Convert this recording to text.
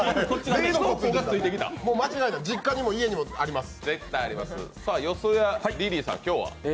間違いなく、実家にも家にもあります。